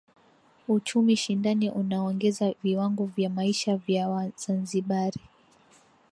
Uchumi shindani unaongeza viwango vya maisha vya Wazanzibari